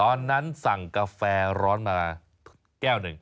ตอนนั้นสั่งกาแฟร้อนมาแก้วหนึ่ง